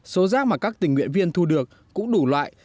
số rác mà các tình nguyện viên thu được cũng đủ loại